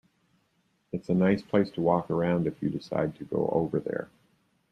It's a nice place to walk around if you decide to go over there.